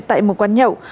tại một quán nhậu